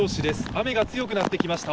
雨が強くなってきました。